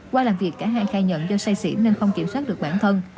qua làm việc cả hai khai nhận do say xỉu nên không kiểm soát được bản thân